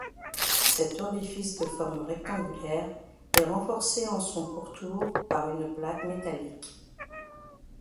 Cet orifice de forme rectangulaire est renforcé en son pourtour par une plaque métallique.